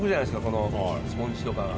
このスポンジとか。